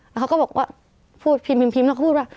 แล้วเขาก็บอกว่าพูดพิมพ์พิมพ์พิมพ์แล้วเขาพูดว่า